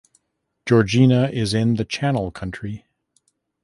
Georgina is in the Channel Country.